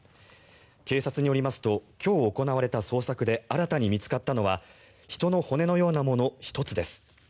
警察によりますと今日行われた捜索で新たに見つかったのは人の骨のようなもの１つです。